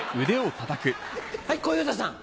はい小遊三さん。